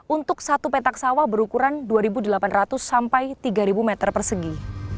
untuk satu petak sawah berukuran dua delapan ratus sampai tiga meter persegi